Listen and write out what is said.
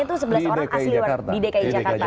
itu sebelas orang asli di dki jakarta